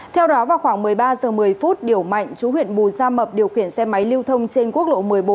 giáo vào khoảng một mươi ba h một mươi điều mạnh chú huyện bù gia mập điều khiển xe máy lưu thông trên quốc lộ một mươi bốn